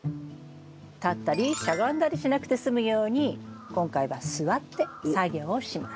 立ったりしゃがんだりしなくて済むように今回は座って作業をします。